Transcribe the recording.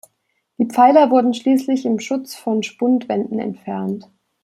Die Pfeiler wurden schließlich im Schutz von Spundwänden entfernt.